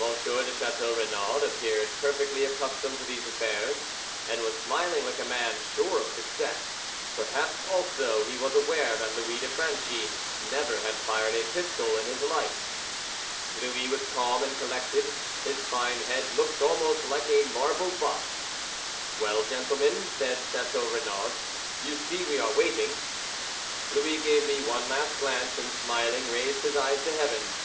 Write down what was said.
M. de Chateau Renaud appeared perfectly accustomed to these affairs, and was smiling like a man sure of success; perhaps, also, he was aware that Louis de Franchi never had fired a pistol in his life. Louis was calm and collected, his fine head looked almost like a marble bust. "Well, gentlemen," said Chateau Renaud, "you see we are waiting." Louis gave me one last glance, and smiling, raised his eyes to heaven.